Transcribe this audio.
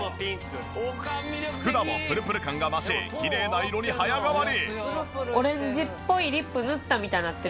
福田もプルプル感が増しきれいな色に早変わり。